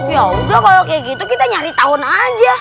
ya udah kalau kayak gitu kita nyari tahun aja